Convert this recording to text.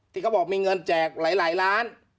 ที่เขาบอกมีเงินแจกหลายล้าน